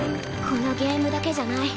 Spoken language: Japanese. このゲームだけじゃない。